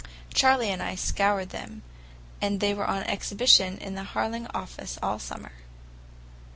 Charley and I scoured them, and they were on exhibition in the Harling office all summer.